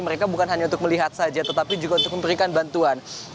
mereka bukan hanya untuk melihat saja tetapi juga untuk memberikan bantuan